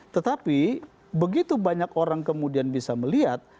tetapi begitu banyak orang kemudian bisa melihat